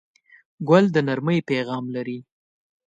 ګل د نرمۍ پیغام لري.